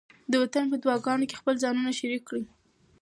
د وطن په دعاګانو کې خپل ځانونه شریک کړئ.